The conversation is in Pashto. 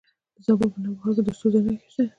د زابل په نوبهار کې د سرو زرو نښې شته.